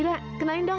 ira kenalin dong